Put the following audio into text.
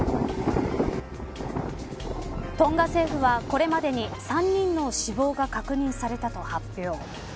トンガ政府は、これまでに３人の死亡が確認されたと発表。